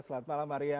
selamat malam maria